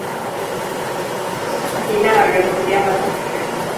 吉纳尔人口变化图示